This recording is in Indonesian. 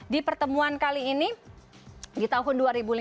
di pertemuan kali ini di tahun dua ribu lima belas